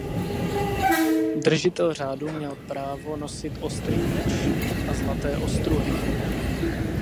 Držitel řádu měl právo nosit ostrý meč a zlaté ostruhy.